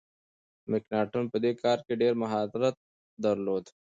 مکناټن په دې کار کي ډیر مهارت درلود.